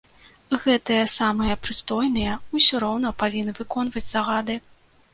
Гэтыя самыя прыстойныя ўсё роўна павінны выконваць загады.